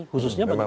khususnya bagi pan